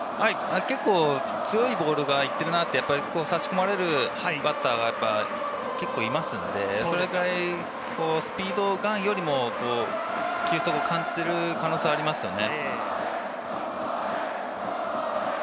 結構強いボールが行ってるなとさし込まれるバッターが結構いますんで、それくらいスピードガンよりも球速を感じている可能性はありますよね。